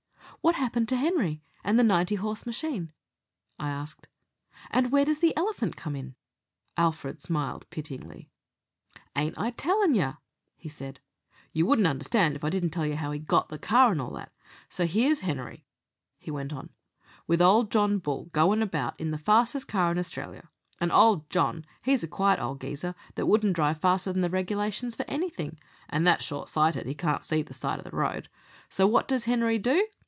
"What happened to Henry and the ninety horse machine?" I asked. "And where does the elephant come in?" Alfred smiled pityingly. "Ain't I tellin' yer," he said. "You wouldn't understand if I didn't tell yer how he got the car and all that. So here's Henery," he went on, "with old John Bull goin' about in the fastest car in Australia, and old John, he's a quiet old geezer, that wouldn't drive faster than the regulations for anything, and that short sighted he can't see to the side of the road. So what does Henery do?